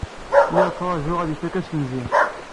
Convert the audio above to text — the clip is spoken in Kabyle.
Lliɣ ttṛajuɣ ad ifak assenzi.